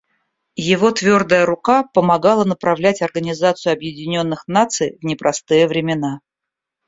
Его твердая рука помогала направлять Организацию Объединенных Наций в непростые времена.